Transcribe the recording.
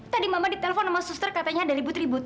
tadi mama ditelepon sama suster katanya ada ribut ribut